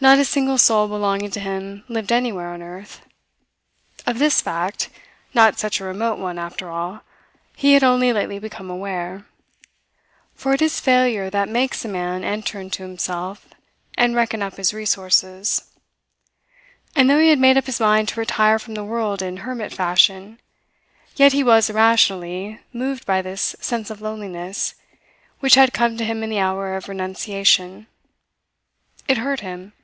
Not a single soul belonging to him lived anywhere on earth. Of this fact not such a remote one, after all he had only lately become aware; for it is failure that makes a man enter into himself and reckon up his resources. And though he had made up his mind to retire from the world in hermit fashion, yet he was irrationally moved by this sense of loneliness which had come to him in the hour of renunciation. It hurt him.